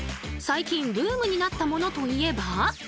最近ブームになったものといえば。